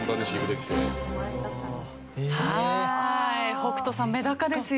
北斗さんメダカですよ。